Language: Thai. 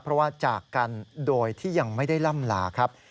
เพราะว่าจากกันโดยที่ยังไม่ได้ล่ำลาครับ